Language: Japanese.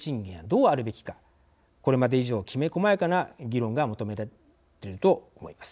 これまで以上きめ細やかな議論が求められると思います。